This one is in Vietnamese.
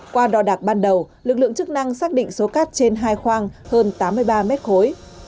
qua đo đạc ban đầu lực lượng chức năng xác định số cát trên hai khoang hơn tám mươi ba mét khối